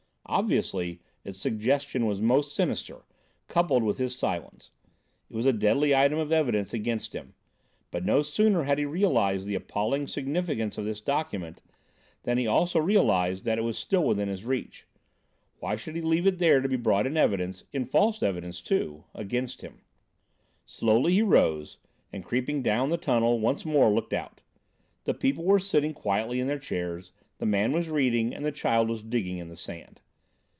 Obviously, its suggestion was most sinister, coupled with his silence. It was a deadly item of evidence against him. But no sooner had he realised the appalling significance of this document than he also realised that it was still within his reach. Why should he leave it there to be brought in evidence—in false evidence, too—against him? Slowly he rose and, creeping down the tunnel, once more looked out. The people were sitting quietly in their chairs, the man was reading, and the child was digging in the sand.